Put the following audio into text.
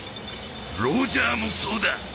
ロジャーもそうだ。